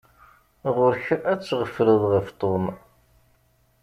Ɣur-k ad tɣefleḍ ɣef Tom.